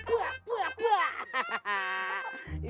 buah buah buah